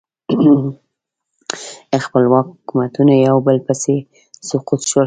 خپلواک حکومتونه یو په بل پسې سقوط شول.